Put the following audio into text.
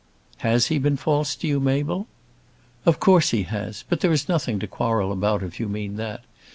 "Has he been false to you, Mabel?" "Of course he has. But there is nothing to quarrel about, if you mean that.